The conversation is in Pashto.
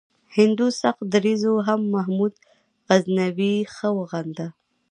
هندو سخت دریځو هم محمود غزنوي ښه وغنده.